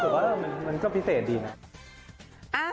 อ๋อรู้สึกว่ามันก็พิเศษดีนะ